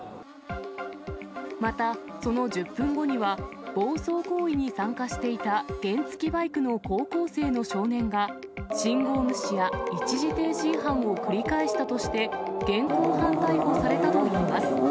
また、その１０分後には、暴走行為に参加していた原付バイクの高校生の少年が、信号無視や一時停止違反を繰り返したとして、現行犯逮捕されたといいます。